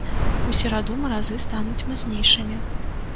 У сераду маразы стануць мацнейшымі.